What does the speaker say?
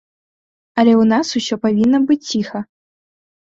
Але ў нас усё павінна быць ціха.